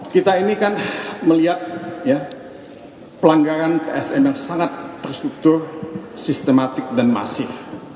kita ini kan melihat pelanggaran tsm yang sangat terstruktur sistematik dan masif